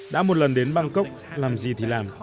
đã một lần đến bangkok làm gì thì làm